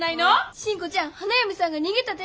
新子ちゃん花嫁さんが逃げたて。